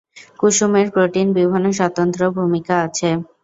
কুসুম এর প্রোটিন বিভিন্ন স্বতন্ত্র ভূমিকা আছে।